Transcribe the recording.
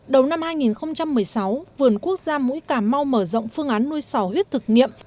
đầu năm hai nghìn một mươi sáu vườn quốc gia mũi cà mau mở rộng phương án nuôi sỏ huyết thực nghiệm